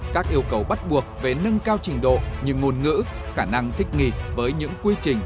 các yêu cầu bắt buộc về nâng cao trình độ như ngôn ngữ khả năng thích nghi với những quy trình